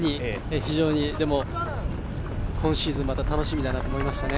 非常に今シーズンまた楽しみだなと思いましたね。